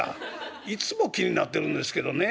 いつも気になってるんですけどね。